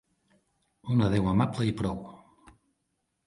Un adéu amable i prou.